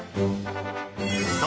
［そう！